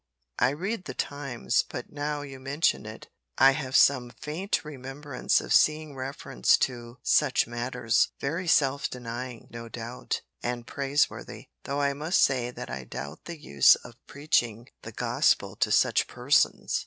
I read the Times, but, now you mention it, I have some faint remembrance of seeing reference to such matters. Very self denying, no doubt, and praiseworthy, though I must say that I doubt the use of preaching the gospel to such persons.